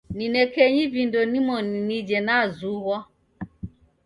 Ninekenyi vindo nimoni nije nazughwa.